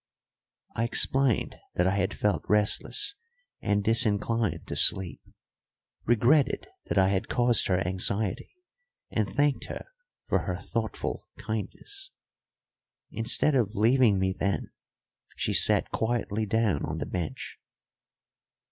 I explained that I had felt restless and disinclined to sleep, regretted that I had caused her anxiety, and thanked her for her thoughtful kindness. Instead of leaving me then, she sat quietly down on the bench.